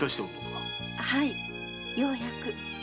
はいようやく。